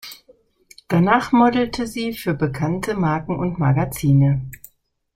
Danach modelte sie für bekannte Marken und Magazine.